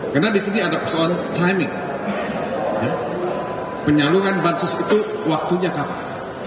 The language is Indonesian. karena di sini ada persoalan timing penyaluran pansos itu waktunya kapan